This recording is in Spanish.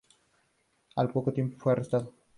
Al poco tiempo, fue arrestado.